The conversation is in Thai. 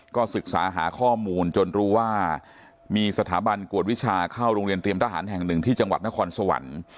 ก็ศึกษาหาข้อมูลจนรู้ว่ามีสถาบันกวดวิชาเข้าโรงเรียนเตรียมทหารแห่งหนึ่งที่จังหวัดนครสวรรค์